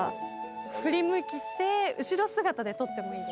振り向き後ろ姿で撮ってもいいですか？